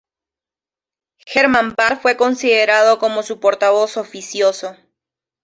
Hermann Bahr fue considerado como su portavoz oficioso.